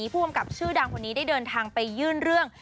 ผู้กำกับชื่อดังคนนี้ได้เดินทางไปยื่นเรื่อง